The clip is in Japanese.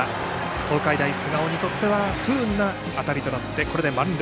東海大菅生にとっては不運な当たりとなって、これで満塁。